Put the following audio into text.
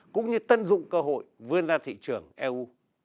cũng như tận dụng cơ hội vươn ra thị trường eu